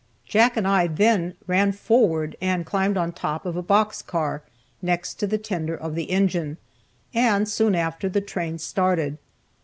Jack and I then ran forward and climbed on top of a box car, next to the tender of the engine, and soon after the train started.